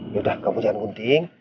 yaudah kamu jangan gunting